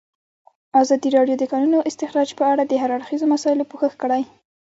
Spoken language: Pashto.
ازادي راډیو د د کانونو استخراج په اړه د هر اړخیزو مسایلو پوښښ کړی.